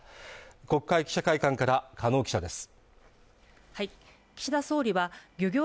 国会記者会館から加納記者です